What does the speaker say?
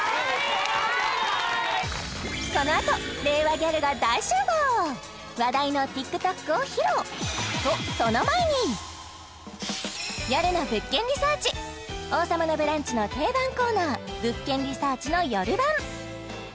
このあと令和ギャルが大集合話題のＴｉｋＴｏｋを披露「よるの物件リサーチ」「王様のブランチ」の定番コーナー「物件リサーチ」のよる版